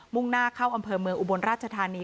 มุ่งหน้าเข้าอเมอุบลราชธานี